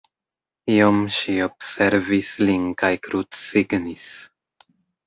Iom ŝi observis lin kaj krucsignis.